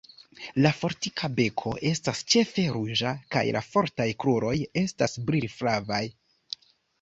La fortika beko estas ĉefe ruĝa, kaj la fortaj kruroj estas brilflavaj.